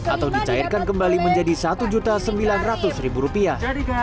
atau dicairkan kembali menjadi satu sembilan ratus rupiah